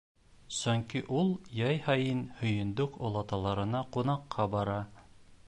Сөнки ул йәй һайын һөйөндөк олаталарына ҡунаҡҡа бара.